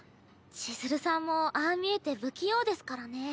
千鶴さんもああ見えて不器用ですからね。